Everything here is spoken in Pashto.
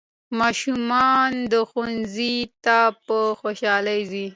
ماشومان ښوونځي ته په خوشحالۍ ځي